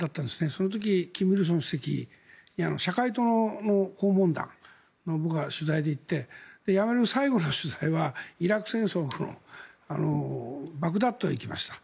その時に金日成主席の社会党の訪問団に僕は取材で行って辞める最後の取材はイラク戦争のバグダッドへ行きました。